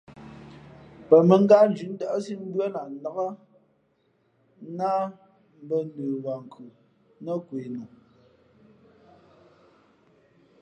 Pαmᾱngátnzhʉ̌ʼ ndάʼsí mbʉ́ά lah nnák nāh mbᾱ nəwaankhʉ̌ nά kwe nu.